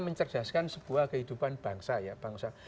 mencerdaskan sebuah kehidupan bangsa